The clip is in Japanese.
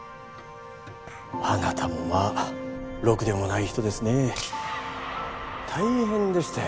あなたもまあろくでもない人ですね大変でしたよ